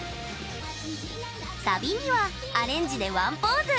サビには、アレンジでワンポーズ。